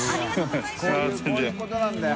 こういうことなんだよ。